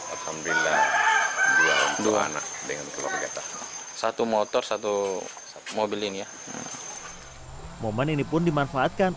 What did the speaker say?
alhamdulillah dua anak dengan keluarga satu motor satu mobil ini ya momen ini pun dimanfaatkan